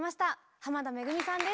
濱田めぐみさんです。